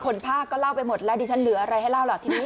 ภาคก็เล่าไปหมดแล้วดิฉันเหลืออะไรให้เล่าล่ะทีนี้